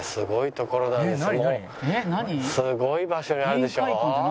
すごい場所にあるでしょ？